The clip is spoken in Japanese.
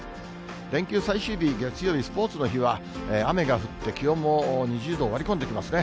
連休最終日、月曜日、スポーツの日は、雨が降って、気温も２０度を割り込んできますね。